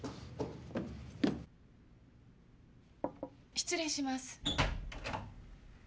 失礼します。